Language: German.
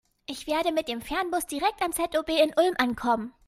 Ich werde mit dem Fernbus direkt am ZOB in Ulm ankommen.